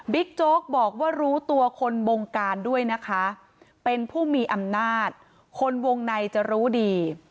โจ๊กบอกว่ารู้ตัวคนบงการด้วยนะคะเป็นผู้มีอำนาจคนวงในจะรู้ดี